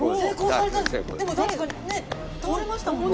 でも確かにね倒れましたもんね。